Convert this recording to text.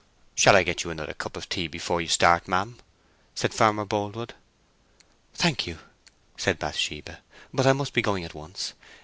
"Shall I get you another cup before you start, ma'am?" said Farmer Boldwood. "Thank you," said Bathsheba. "But I must be going at once.